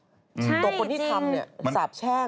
ตัวคนที่ทำเนี่ยสาบแช่ง